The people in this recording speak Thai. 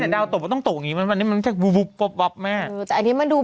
วันนี้ไม่จับวิ่งมาจะไม่ถูก